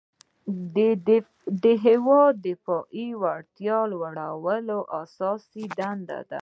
د هیواد دفاعي وړتیا لوړول اساسي دنده ده.